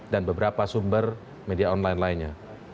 dan beberapa sumber media online lainnya